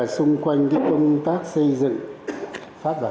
xung quanh công tác xây dựng pháp vật